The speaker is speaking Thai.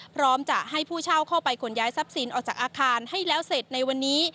พร้อมจะให้ผู้เช่าเข้าไปขนย้ายทรัพย์สินออกจากอาคารให้แล้วเสร็จในวันนี้